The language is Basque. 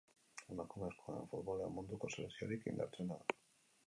Emakumezkoen futbolean Munduko selekziorik indartsuena da.